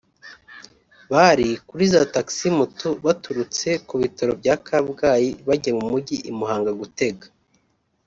Bari kuri za taxi moto baturutse ku bitaro bya Kabgayi bajya mu mugi i Muhanga gutega